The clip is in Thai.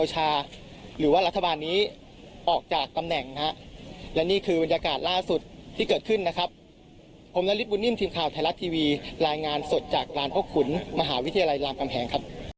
หรือว่ารัฐบาลนี้ออกจากตำแหน่งนะครับและนี่คือบรรยากาศล่าสุดที่เกิดขึ้นนะครับผมนฤทธิ์บุญนิ่มทีมข่าวไทยรัสทีวีรายงานสดจากร้านโภคขุนมหาวิทยาลัยรามคำแหงครับ